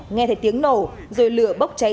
nghe thấy tiếng nổ rồi lửa bốc cháy